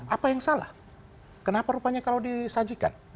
apa yang salah kenapa rupanya kalau disajikan